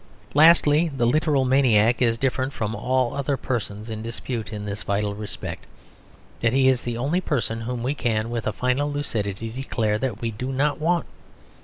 Lastly, the literal maniac is different from all other persons in dispute in this vital respect: that he is the only person whom we can, with a final lucidity, declare that we do not want.